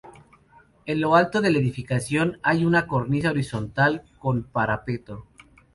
En lo alto de la edificación hay una cornisa horizontal con parapeto.